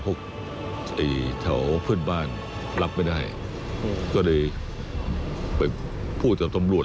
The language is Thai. ไอ้แถวเพื่อนบ้านรับไม่ได้ก็เลยไปพูดกับตำรวจ